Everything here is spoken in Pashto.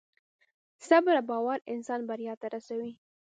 صبر او باور انسان بریا ته رسوي.